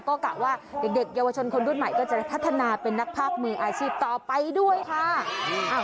ก็กะว่าเด็กเยาวชนคนรุ่นใหม่ก็จะพัฒนาเป็นนักภาคมืออาชีพต่อไปด้วยค่ะ